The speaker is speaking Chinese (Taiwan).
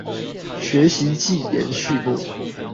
學習記言序目